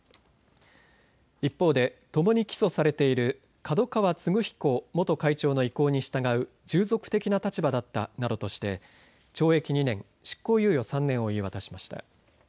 一方でともに起訴されている角川歴彦元会長の意向に従う従属的な立場だったなどとして懲役２年、執行猶予３年を言い渡しました。